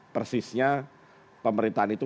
persisnya pemerintahan itu